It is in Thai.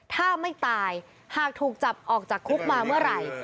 ถ้าไม่ตายหากถูกจับออกจากคุกมาเมื่อไหร่